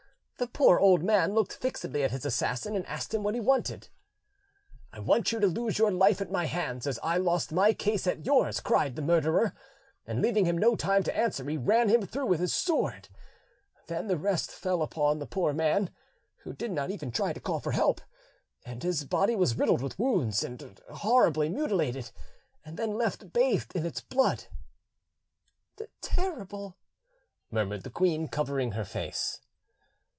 The poor old man looked fixedly at his assassin, and asked him what he wanted. 'I want you to lose your life at my hands, as I lost my case at yours!' cried the murderer, and leaving him no time to answer, he ran him through with his sword. Then the rest fell upon the poor man, who did not even try to call for help, and his body was riddled with wounds and horribly mutilated, and then left bathed in its blood." "Terrible!" murmured the queen, covering her face.